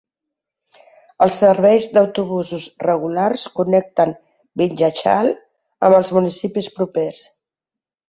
Els serveis d'autobusos regulars connecten Vindhyachal amb els municipis propers.